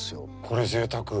これぜいたく。